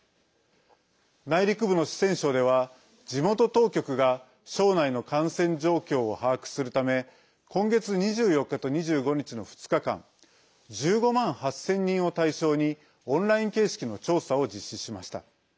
内陸部の四川省では、地元当局が省内の感染状況を把握するため今月２４日と２５日の２日間１５万８０００人を対象にオンライン形式の調査を実施しました。